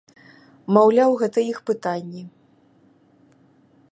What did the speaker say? Маўляў, гэта іх пытанні.